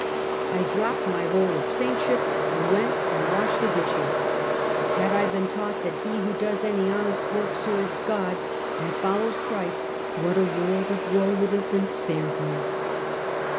I dropped my roll of saintship, and went and washed the dishes. Had I been taught that he who does any honest work serves God and follows Christ, what a world of woe would have been spared me.